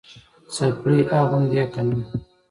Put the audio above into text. څپلۍ اغوندې که نه؟